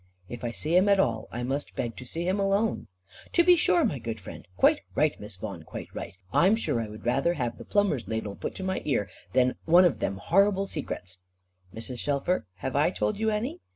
"If I see him at all, I must beg to see him alone." "To be sure, my good friend. Quite right, Miss Vaughan, quite right. I'm sure I would rather have the plumber's ladle put to my ear, than one of them horrible secrets." "Mrs. Shelfer, have I told you any?